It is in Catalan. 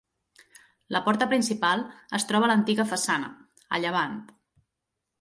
La porta principal es troba a l'antiga façana, a llevant.